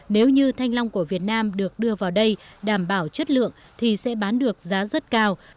nếu như thanh long của việt nam được đưa vào đây đảm bảo chất lượng thì sẽ bán được giá rất cao